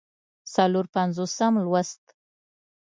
څلور پينځوسم لوست